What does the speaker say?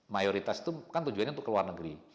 mayoritas itu kan tujuannya untuk ke luar negeri